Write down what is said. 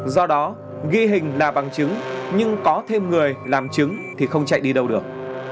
do đó ghi hình là bằng chứng nhưng có thêm người làm chứng thì không chạy đi đâu được